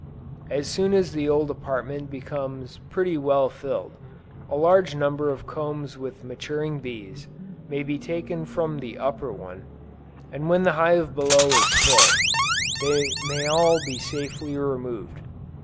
As soon as the old apartment becomes pretty well filled, a large number of combs with maturing bees, may be taken from the upper one, and when the hive below is full, they may all be safely removed.